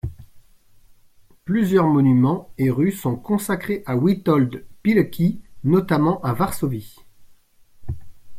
Plusieurs monuments et rues sont consacrées à Witold Pilecki, notamment à Varsovie.